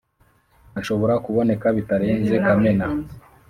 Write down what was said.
ashobora kuboneka bitarenze Kamena.